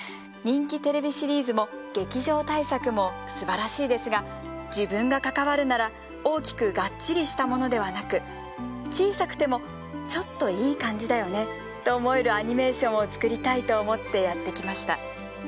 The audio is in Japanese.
「人気テレビシリーズも劇場大作もすばらしいですが自分が関わるなら大きくガッチリしたものではなく小さくてもちょっといい感じだよねと思えるアニメーションを作りたいと思ってやってきました。